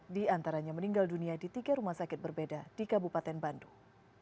tiga puluh empat diantaranya meninggal dunia di tiga rumah sakit berbeda di kabupaten bandung